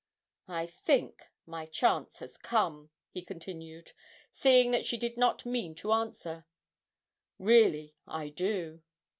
'I think my chance has come,' he continued, seeing that she did not mean to answer, 'really I do.